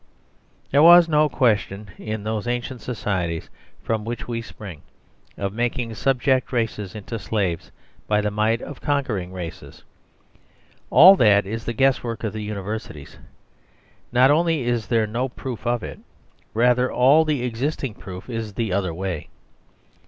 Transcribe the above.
There was no question in those ancient societies from which we spring of making subject races into slaves by the might of conquering races. All that is the guess work of the universities. Not only is there no proof of it, rather all the existing proof is the other way.